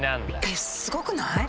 えっすごくない！？